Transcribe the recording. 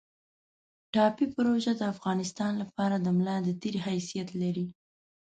ټاپي پروژه د افغانستان لپاره د ملا د تیر حیثیت لري